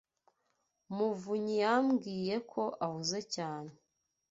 muvunyi yambwiye ko ahuze cyane.